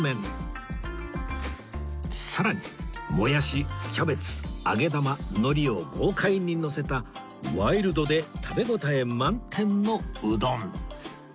さらにもやしキャベツ揚げ玉のりを豪快にのせたワイルドで食べ応え満点のうどん